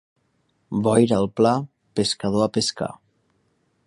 Boira al pla, pescador a pescar.